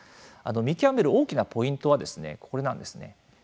見極める大きなポイントはこれなんですね。